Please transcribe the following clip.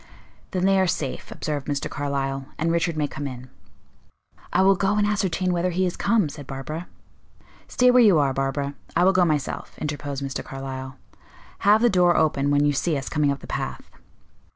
"Then they are safe," observed Mr. Carlyle, "and Richard may come in." "I will go and ascertain whether he is come," said Barbara. "Stay where you are, Barbara; I will go myself," interposed Mr. Carlyle. "Have the door open when you see us coming up the path."